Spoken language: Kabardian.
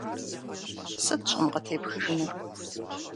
Сыт щӏым къытепхыжынур?